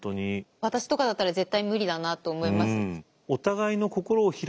私とかだったら絶対無理だなと思います。